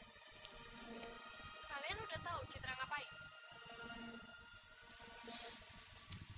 kalian udah tahu citra ngapain